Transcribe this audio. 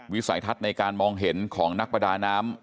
วิสัยทัศน์ในการมองเห็นของนักประดาน้ำ